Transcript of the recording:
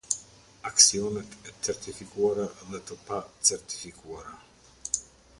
Aksionet e Certifikuara dhe të Pa Certifikuara.